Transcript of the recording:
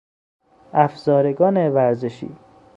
افزارگان ورزشی